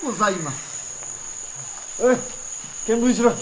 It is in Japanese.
おい検分しろ。